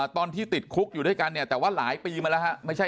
ตอนที่ติดคุกอยู่ด้วยกันเนี่ยแต่ว่าหลายปีมาแล้วฮะ